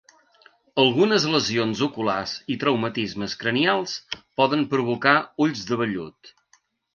Algunes lesions oculars i traumatismes cranials poden provocar ulls de vellut.